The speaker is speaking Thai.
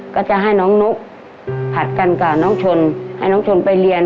ก็จะให้น้องนุ๊กผัดกันกับน้องชนให้น้องชนไปเรียน